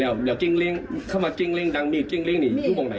ไม่อันไงมีอีธมีดลงทำงานมานี่ตัวม่าย